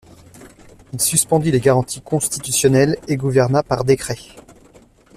Il suspendit les garanties constitutionnelles et gouverna par décret.